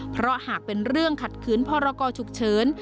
เพราะหากเป็นเรื่องขัดขืนพรกรฉุกเฉิน